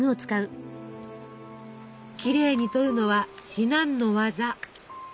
きれいに取るのは至難の業。